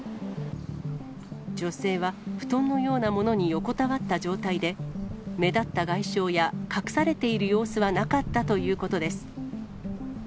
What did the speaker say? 女性は布団のようなものに横たわった状態で、目立った外傷や、隠されている様子はなかったということです。